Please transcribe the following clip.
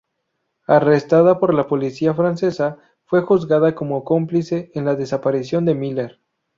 Arrestada por la policía francesa, fue juzgada como cómplice en la desaparición de Miller.